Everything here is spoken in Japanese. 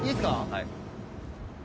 はい。